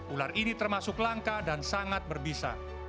ular ini termasuk langka dan sangat berbisa